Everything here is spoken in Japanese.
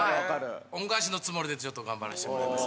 恩返しのつもりで頑張らせてもらいます。